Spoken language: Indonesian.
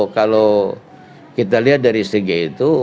kalau kita lihat dari segi itu